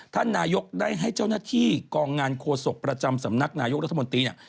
ท่านนายกได้ให้เจ้าหน้าที่กองงานโฆษกประจำสำนักนายกรัฐมนตรีเนี่ย